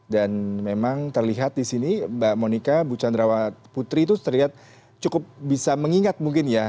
dan memang terlihat di sini mbak monica ibu candrawati putri itu terlihat cukup bisa mengingat mungkin ya